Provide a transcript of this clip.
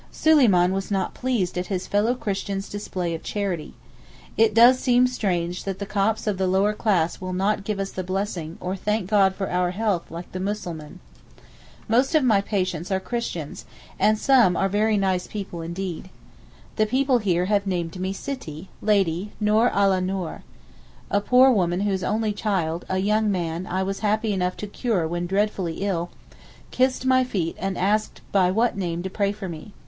Suleyman was not pleased at his fellow christian's display of charity. It does seem strange that the Copts of the lower class will not give us the blessing, or thank God for our health like the Muslimeen. Most of my patients are Christians, and some are very nice people indeed. The people here have named me Sittee (Lady) Noor ala Noor. A poor woman whose only child, a young man, I was happy enough to cure when dreadfully ill, kissed my feet and asked by what name to pray for me.